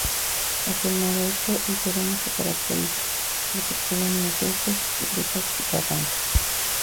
Hacia el noroeste el terreno se caracteriza por sus colinas verdes, grutas y barrancos.